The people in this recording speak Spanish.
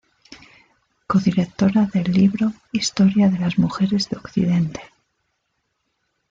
Co-directora del libro Historia de las Mujeres de Occidente.